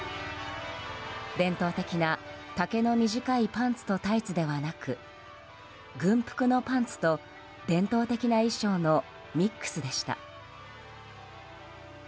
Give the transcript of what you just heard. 伝統的な丈の短いパンツとタイツではなく軍服のパンツと伝統的な衣装のミックスでした。